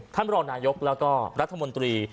ท่านบริษัทนายกแล้วก็รัฐมนตรี